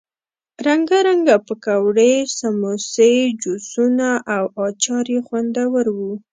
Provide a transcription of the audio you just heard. رنګه رنګه پکوړې، سموسې، جوسونه او اچار یې خوندور وو.